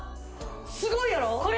すごいやろこれ